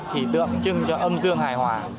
thì tượng trưng cho âm dương hài hòa